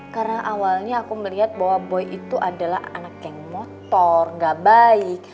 karena awalnya aku melihat bahwa boy itu adalah anak yang motor gak baik